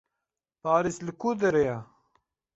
Parîs li ku derê ye?